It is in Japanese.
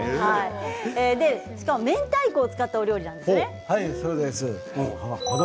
しかも明太子を使ったお料理なんですね。